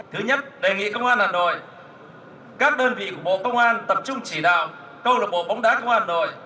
thứ nhất đề nghị công an hà nội các đơn vị của bộ công an tập trung chỉ đạo câu lạc bộ bóng đá công an hà nội